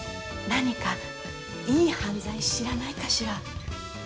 何か、いい犯罪知らないかしら？